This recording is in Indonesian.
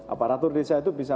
aparatur desa itu bisa